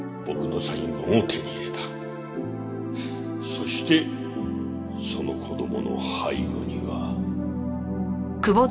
そしてその子供の背後には。